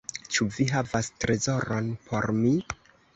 Ĉu vi havas trezoron por mi?"